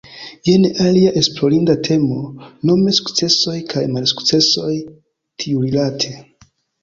Jen alia esplorinda temo, nome sukcesoj kaj malsukcesoj tiurilate.